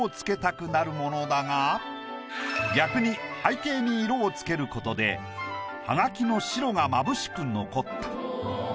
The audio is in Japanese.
逆に背景に色を付ける事でハガキの白がまぶしく残った。